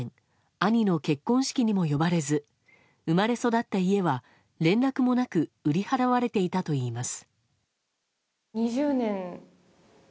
兄の結婚式にも呼ばれず生まれ育った家は、連絡もなく売り払われていたといいます。